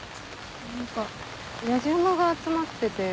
何かやじ馬が集まってて。